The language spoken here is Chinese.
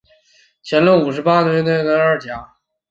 乾隆五十八年癸丑科二甲。